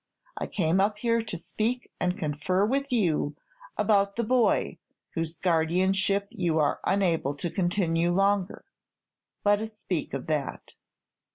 I came up here to speak and confer with you about this boy, whose guardianship you are unable to continue longer. Let us speak of that."